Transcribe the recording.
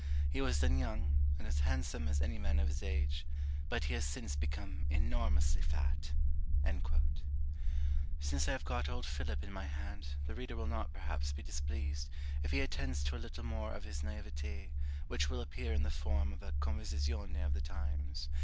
He was then young, and as handsome as any man of his age; but he has since become enormously fat." Since I have got old Philip in my hand, the reader will not, perhaps, be displeased, if he attends to a little more of his naïveté, which will appear in the form of a conversazione of the times.